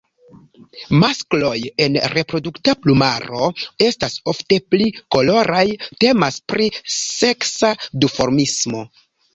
Maskloj en reprodukta plumaro estas ofte pli koloraj; temas pri seksa duformismo.